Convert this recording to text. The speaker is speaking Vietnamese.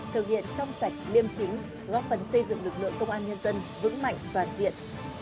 thực hiện trong sạch liêm chính góp phần xây dựng lực lượng công an nhân dân vững mạnh toàn diện